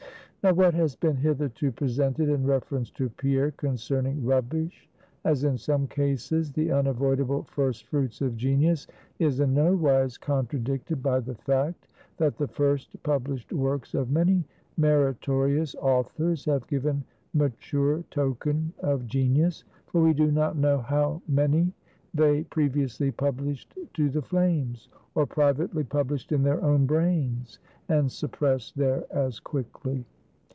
Now, what has been hitherto presented in reference to Pierre, concerning rubbish, as in some cases the unavoidable first fruits of genius, is in no wise contradicted by the fact, that the first published works of many meritorious authors have given mature token of genius; for we do not know how many they previously published to the flames; or privately published in their own brains, and suppressed there as quickly.